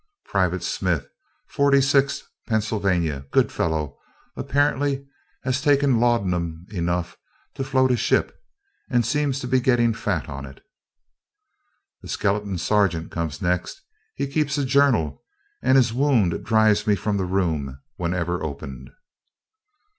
Private Smith, Forty sixth Pennsylvania: good fellow, apparently; has taken laudanum enough to float a ship, and seems to be getting fat on it. The skeleton sergeant comes next. He keeps a journal, and his wound drives me from the room, whenever opened.